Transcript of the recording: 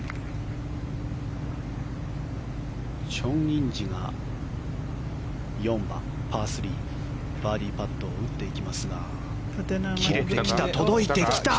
チョン・インジが４番、パー３バーディーパットを打っていきますが切れてきた、届いてきた！